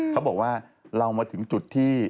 เขาบอกว่าเรามาถึงจุดที่